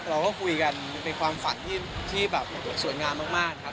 เราก็คุยกันในความฝันที่แบบสวยงามมากครับ